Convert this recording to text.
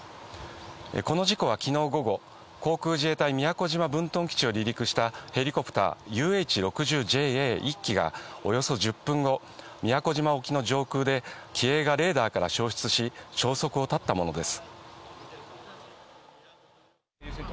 この事故は昨日午後、航空自衛隊・宮古島分屯基地を離陸したヘリコプター「ＵＨ６０ＪＡ」１機がおよそ１０分後、宮古島沖の上空で機影がレーダーから消失し、消息を絶ったものです。